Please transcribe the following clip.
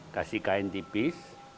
kasih kain tipis